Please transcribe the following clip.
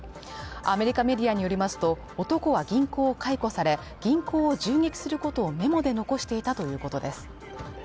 アメリカメディアによりますと、男は銀行を解雇され、銀行を銃撃することをメモで残していたということです。